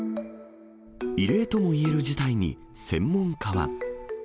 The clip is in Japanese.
異例ともいえる事態に専門家は。